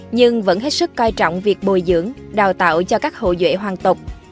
nhưng vẫn hết sức coi trọng việc bồi dưỡng đào tạo cho các hậu duệ hoàng tộc